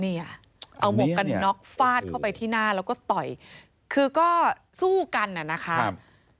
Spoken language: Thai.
เนี่ยเอาหมวกกันน็อกฟาดเข้าไปที่หน้าแล้วก็ต่อยคือก็สู้กันน่ะนะคะ